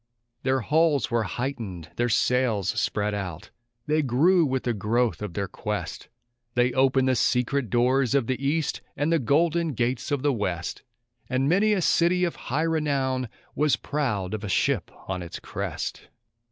Their hulls were heightened, their sails spread out. they grew with the growth of their quest; They opened the secret doors of the East, and the golden gates of the West; And many a city of high renown was proud of a ship on its crest.